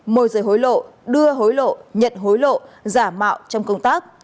môi rời hối lộ đưa hối lộ nhận hối lộ giả mạo trong công tác